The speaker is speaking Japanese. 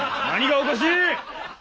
何がおかしい！